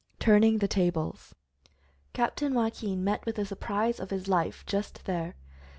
TURNING THE TABLES. Captain Joaquin met with the surprise of his life, just there!